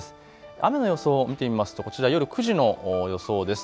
雨の予想を見てみますとこちら夜９時の予想です。